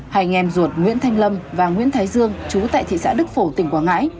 hai nghem ruột nguyễn thanh lâm và nguyễn thái dương trú tại thị xã đức phổ tỉnh quảng ngãi